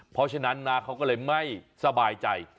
เพราะฉะนั้นนะเขาก็เลยไม่สบายใจ